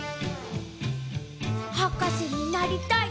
はかせになりたい